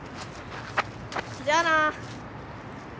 じゃあな！